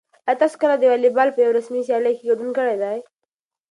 آیا تاسو کله د واليبال په یوه رسمي سیالۍ کې ګډون کړی دی؟